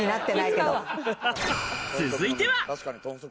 続いては。